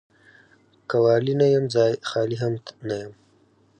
که ولي نه يم ، خالي هم نه يم.